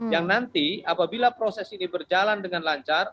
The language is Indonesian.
yang nanti apabila proses ini berjalan dengan lancar